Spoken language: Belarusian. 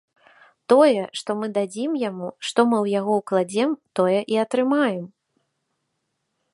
Тое, што мы дадзім яму, што мы ў яго ўкладзем, тое і атрымаем.